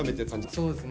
そうですね。